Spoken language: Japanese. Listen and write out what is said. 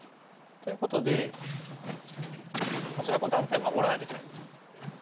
ということで白は断点を守らないといけないんです。